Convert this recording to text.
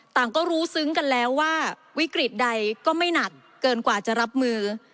ก็รู้ซึ้งกันแล้วว่าวิกฤตใดก็ไม่หนักเกินกว่าจะรับมือ